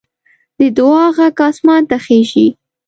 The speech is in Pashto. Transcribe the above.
د دعا غږ اسمان ته خېژي